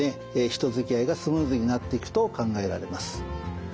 人づきあいがスムーズになっていくと考えられます。